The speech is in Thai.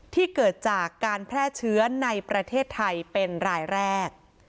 เกิดจากการแพร่เชื้อในประเทศไทยเป็นรายแรก